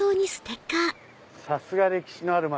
さすが歴史のある街。